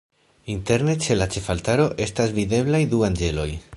Interne ĉe la ĉefaltaro estas videblaj du anĝeloj.